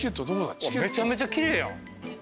めちゃめちゃ奇麗やん。